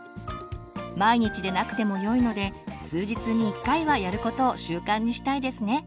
毎日でなくてもよいので数日に１回はやることを習慣にしたいですね。